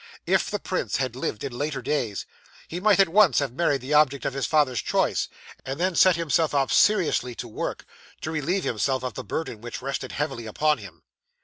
If the prince had lived in later days, he might at once have married the object of his father's choice, and then set himself seriously to work, to relieve himself of the burden which rested heavily upon him.